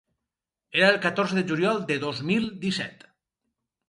Era el catorze de juliol de dos mil disset.